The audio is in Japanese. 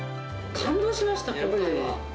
感動しました、今回は。